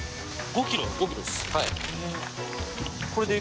５ｋｇですはい。